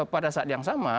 pada saat yang sama